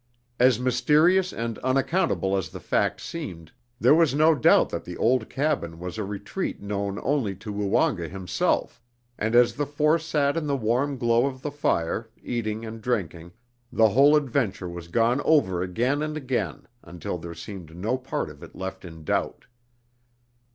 As mysterious and unaccountable as the fact seemed, there was no doubt that the old cabin was a retreat known only to Woonga himself, and as the four sat in the warm glow of the fire, eating and drinking, the whole adventure was gone over again and again until there seemed no part of it left in doubt.